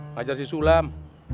ngajar si sulam